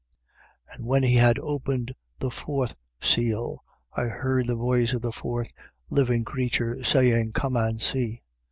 6:7. And when he had opened the fourth seal, I heard the voice of the fourth living creature saying: Come and see.